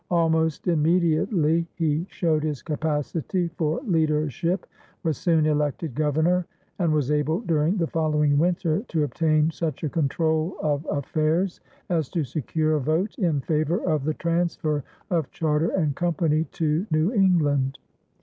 Almost immediately he showed his capacity for leadership, was soon elected governor, and was able during the following winter to obtain such a control of affairs as to secure a vote in favor of the transfer of charter and company to New England.